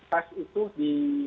pas itu di